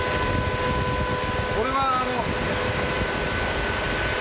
これはあの。